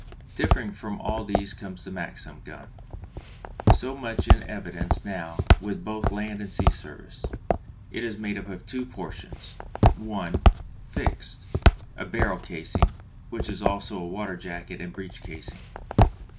_ Differing from all these comes the Maxim gun, so much in evidence now with both land and sea service. It is made up of two portions: (1) Fixed: a barrel casing, which is also a water jacket, and breech casing.